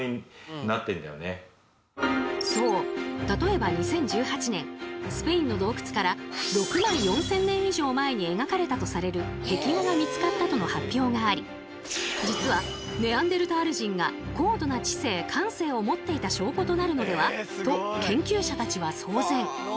例えば２０１８年スペインの洞窟から６万４，０００年以上前に描かれたとされる壁画が見つかったとの発表があり実はネアンデルタール人が高度な知性・感性を持っていた証拠となるのでは？と研究者たちは騒然。